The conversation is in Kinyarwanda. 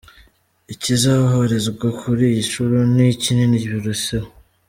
Ikizoherezwa kuri iyi nshuro ni kinini biruseho.